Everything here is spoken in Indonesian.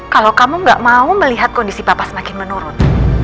kalau kamu gak mau melihat kondisi papa semakin menurun